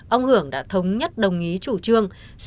ông hưởng đã thống nhất đồng ý chủ trương